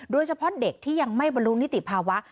โดยเฉพาะเด็กที่ยังไม่บรรลุนิติภาวะ